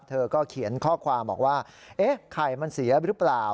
เธอก็เขียนข้อความบอกว่าเอ๊ะไข่มันเสียหรือเปล่า